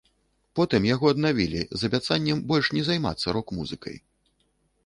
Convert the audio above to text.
Потым яго аднавілі з абяцаннем больш не займацца рок-музыкай.